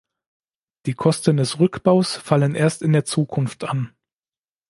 Die Kosten des Rückbaus fallen erst in der Zukunft an.